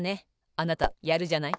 あなたやるじゃない。